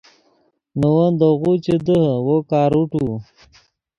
نے ون دے غو چے دیہے وو کاروٹو